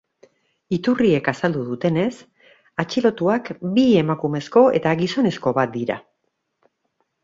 Iturriek azaldu dutenez, atxilotuak bi emakumezko eta gizonezko bat dira.